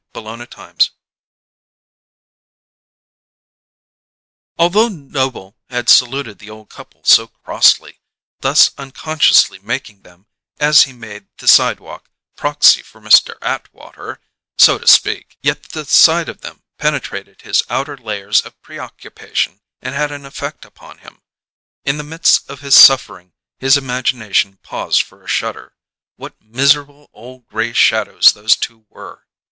CHAPTER FIVE Although Noble had saluted the old couple so crossly, thus unconsciously making them, as he made the sidewalk, proxy for Mr. Atwater, so to speak, yet the sight of them penetrated his outer layers of preoccupation and had an effect upon him. In the midst of his suffering his imagination paused for a shudder: What miserable old gray shadows those two were!